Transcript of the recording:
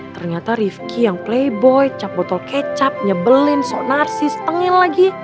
ternyata rifki yang playboy cap botol kecap nyebelin sok narsis pengen lagi